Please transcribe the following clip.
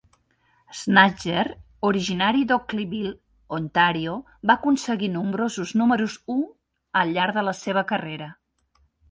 Sznajder, originari d'Oakville (Ontario), va aconseguir nombrosos números un al llarg de la seva carrera.